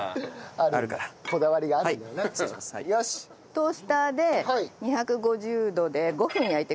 トースターで２５０度で５分焼いてください。